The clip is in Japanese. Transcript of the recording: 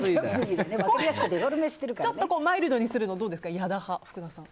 ちょっとマイルドにするのどうですか、福田さん。